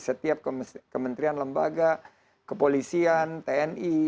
setiap kementerian lembaga kepolisian tni